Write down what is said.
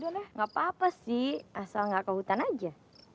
gak apa apa sih asal gak ke hutan aja